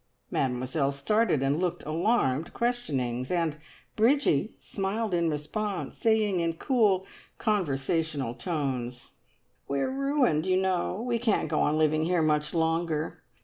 Mademoiselle started and looked alarmed questionings, and Bridgie smiled in response, saying in cool, conversational tones "We are ruined, you know! We can't go on living here much longer.